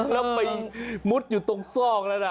แล้วไปมุดอยู่ตรงซอกแล้วนะ